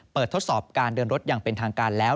ทดสอบการเดินรถอย่างเป็นทางการแล้ว